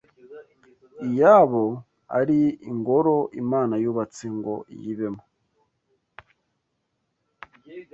i yabo ari ingoro Imana yubatse ngo iyibemo,